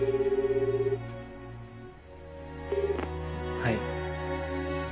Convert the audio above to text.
はい。